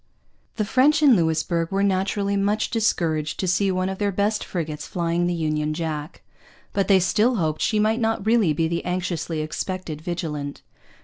The French in Louisbourg were naturally much discouraged to see one of their best frigates flying the Union Jack. But they still hoped she might not really be the anxiously expected Vigilant.